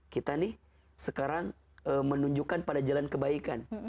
kita nih sekarang menunjukkan pada jalan kebaikan